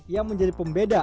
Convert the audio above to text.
yang menjadi pembeda